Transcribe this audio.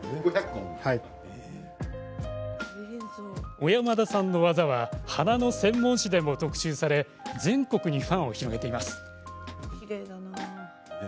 小山田さんの技は花の専門誌でも特集され全国にファンを広げています。